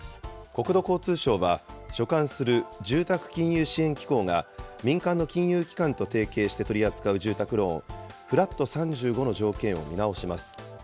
国土交通省は、所管する住宅金融支援機構が、民間の金融機関と提携して取り扱う住宅ローン、フラット３５の条件を見直します。